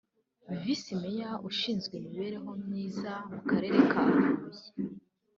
Visi Meya ushinzwe imibereho myiza mu Karere ka Huye